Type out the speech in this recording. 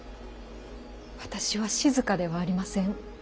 私は静ではありません。